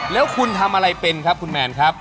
แล้วคุณทำอะไรเป็นครับคุณแมนครับ